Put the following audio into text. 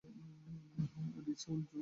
রি চেউল জু, কুত্তার বাচ্চা!